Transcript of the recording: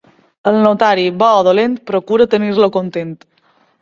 El notari, bo o dolent, procura tenir-lo content.